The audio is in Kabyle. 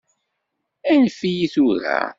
Anef-iyi tura!